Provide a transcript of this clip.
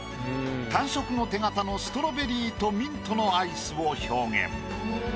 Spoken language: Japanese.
単色の手形のストロベリーとミントのアイスを表現。